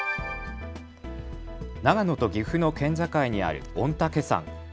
長野と岐阜の県境にある御嶽山。